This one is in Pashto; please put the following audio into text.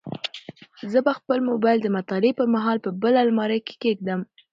زه به خپل موبایل د مطالعې پر مهال په بل المارۍ کې کېږدم.